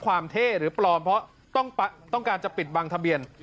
เท่หรือปลอมเพราะต้องการจะปิดบังทะเบียน